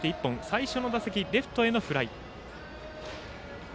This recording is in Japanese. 最初の打席、レフトへのフライ。